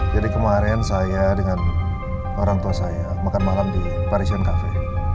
jadi kemarin saya dengan orang tua saya makan malam di parisian cafe